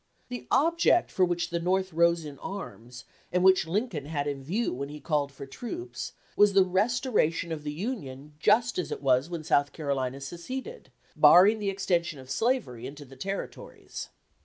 The object for which the North rose in arms, and which Lincoln had in view when he called for troops, was the restoration of the Union just as it was when South Carolina seceded, barring the extension of slavery into the territories.